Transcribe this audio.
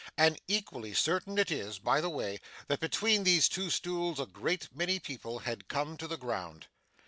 And equally certain it is, by the way, that between these two stools a great many people had come to the ground.